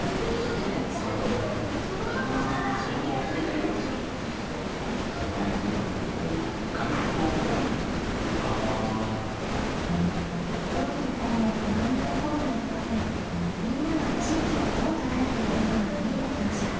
よいところも不満なところも含めみんなが地域をどう捉えているかが見えてきました。